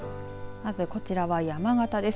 まず、こちらは山形です。